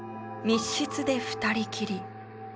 密室で２人きり。